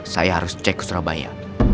saya harus cek surabaya